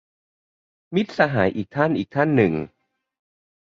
มิตรสหายอีกท่านอีกท่านหนึ่ง